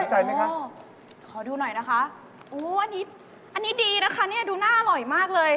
เฮ่ยอ๋อขอดูหน่อยนะคะอันนี้ดีนะคะดูหน้าอร่อยมากเลย